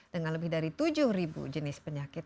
dengan lebih dari tujuh jenis penyakit